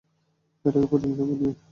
এটাকে প্রতিহিংসা বলবি?